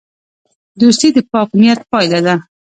دوستي د پاک نیت پایله ده.